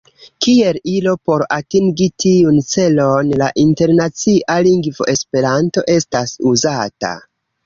Kiel ilo por atingi tiun celon, la internacia lingvo Esperanto estas uzata.